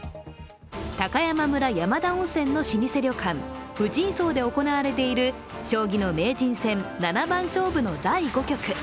高山村山田温泉の老舗旅館藤井荘で行われている将棋の名人戦七番勝負の第５局。